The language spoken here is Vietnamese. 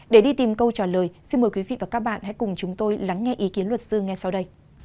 để đi tìm câu trả lời xin mời quý vị và các bạn hãy cùng chúng tôi lắng nghe ý kiến luật sư ngay sau đây